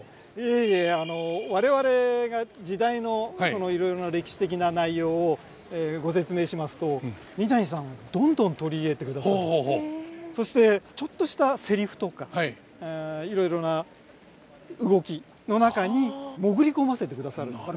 いえいえ我々が時代のそのいろいろな歴史的な内容をご説明しますと三谷さんどんどん取り入れてくださってそしてちょっとしたセリフとかいろいろな動きの中に潜り込ませてくださるので。